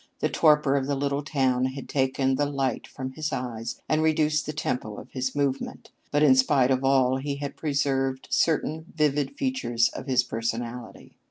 The torpor of the little town had taken the light from his eyes and reduced the tempo of his movements, but, in spite of all, he had preserved certain vivid features of his personality.